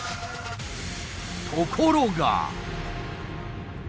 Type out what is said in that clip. ところが。